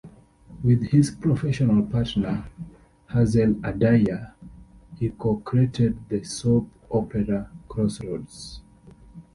With his professional partner, Hazel Adair, he co-created the soap opera "Crossroads".